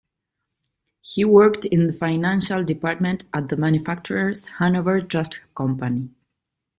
He worked in the financial department at the Manufacturer's Hanover Trust Company.